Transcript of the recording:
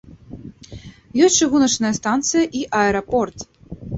Ёсць чыгуначная станцыя і аэрапорт.